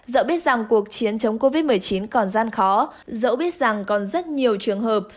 dẫu biết rằng cuộc chiến chống covid một mươi chín còn gian khó dẫu biết rằng còn rất nhiều trường hợp